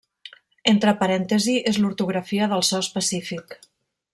Entre parèntesis és l'ortografia del so específic.